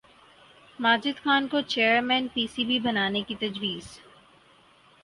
ماجد خان کو chairman P C B بنانے کی تجویز